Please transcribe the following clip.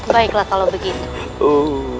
baiklah kalau begitu